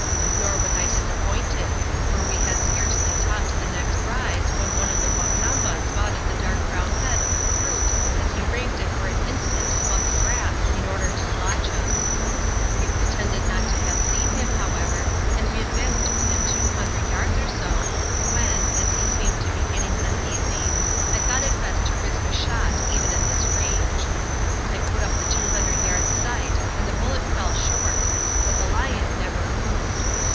Nor was I disappointed, for we had scarcely topped the next rise when one of the Wa Kamba spotted the dark brown head of the brute as he raised it for an instant above the grass in order to watch us. We pretended not to have seen him, however, and advanced to within two hundred yards or so, when, as he seemed to be getting uneasy, I thought it best to risk a shot even at this range. I put up the 200 yards sight and the bullet fell short; but the lion never moved.